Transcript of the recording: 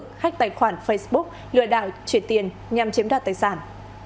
khách tài khoản facebook lừa đảo chuyển tiền nhằm chiếm đoạt tài sản